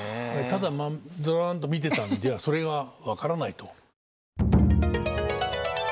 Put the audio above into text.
ただずんと見てたんではそれが分からないと。